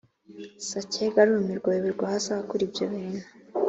Sacyega arumirwa ayoberwa aho azakura ibyo bintu.